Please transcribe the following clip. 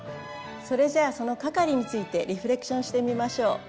それじゃあその係についてリフレクションしてみましょう。